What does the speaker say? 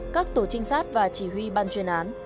các tổ trinh sát và chỉ huy ban chuyên án